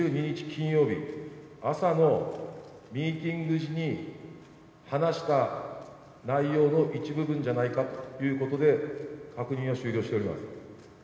金曜日、朝のミーティング時に話した内容の一部分じゃないかということで、確認を終了しております。